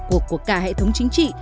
cuộc của cả hệ thống chính trị